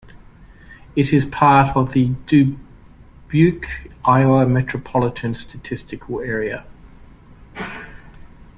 It is part of the 'Dubuque, Iowa Metropolitan Statistical Area'.